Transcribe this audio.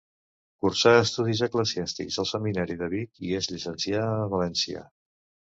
Cursà estudis eclesiàstics al seminari de Vic i es llicencià a València.